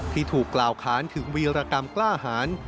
ที่ถูกกล่าวค้านถึงวีรกรรมกล้าหาร